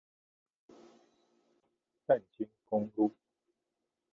淡金公路